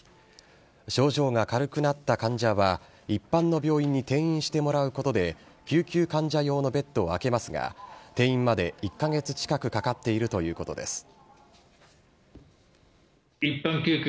症状が軽くなった患者は一般の病院に転院してもらうことで、救急患者用のベッドを空けますが、転院まで１か月近くかかっているということです。